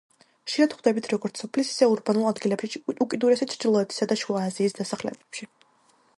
ხშირად ვხვდებით როგორც სოფლის, ისე ურბანულ ადგილებში, უკიდურესი ჩრდილოეთისა და შუა აზიის დასახლებებში.